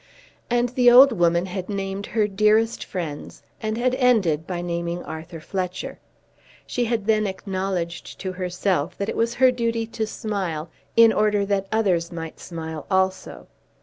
And the old woman had named her dearest friends, and had ended by naming Arthur Fletcher. She had then acknowledged to herself that it was her duty to smile in order that others might smile also.